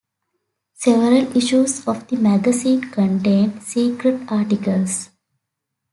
Several issues of the magazine contained "secret" articles.